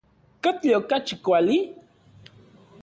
¿Katli okachi kuali?